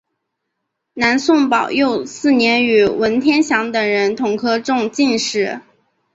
南宋宝佑四年与文天祥等人同科中进士。